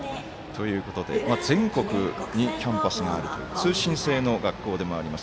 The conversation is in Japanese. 全国にキャンバスがあるという通信制の学校でもあります